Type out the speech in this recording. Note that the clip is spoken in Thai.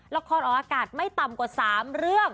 ออกอากาศไม่ต่ำกว่า๓เรื่อง